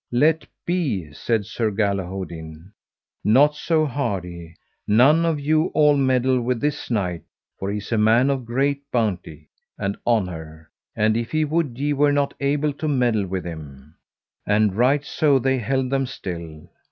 Let be, said Sir Galihodin, not so hardy, none of you all meddle with this knight, for he is a man of great bounté and honour, and if he would ye were not able to meddle with him. And right so they held them still.